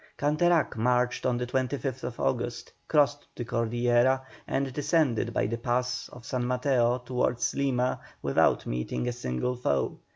Canterac marched on the 25th August, crossed the Cordillera, and descended by the pass of San Mateo towards Lima without meeting a single foe.